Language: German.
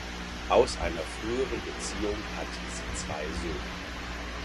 Aus einer früheren Beziehung hat sie zwei Söhne.